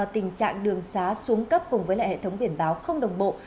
tình trạng đường xá xuống cấp cùng với lại hệ thống biển báo không đồng bộ